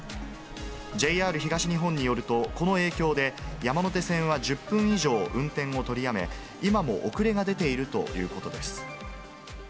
ＪＲ東日本によると、この影響で、山手線は１０分以上、運転を取りやめ、今も遅れが出ているということです。